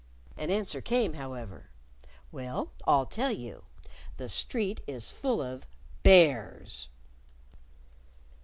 An answer came, however. "Well, I'll tell you: The street is full of bears."